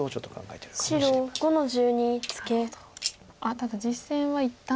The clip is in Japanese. ただ実戦は一旦。